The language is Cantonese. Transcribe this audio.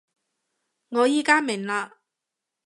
我而家明喇